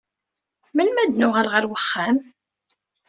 Melmi ad nuɣal ɣer uxxam?